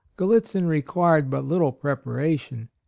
Gallitzin required but little preparation.